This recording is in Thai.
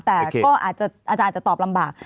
แต่ก็อาจจะตอบลำบาก